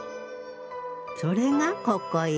それがここよ。